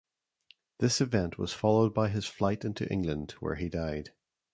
This event was followed by his flight into England where he died.